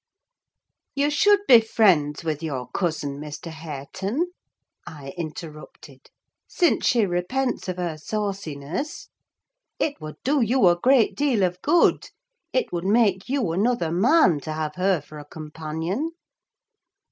"You should be friends with your cousin, Mr. Hareton," I interrupted, "since she repents of her sauciness. It would do you a great deal of good: it would make you another man to have her for a companion."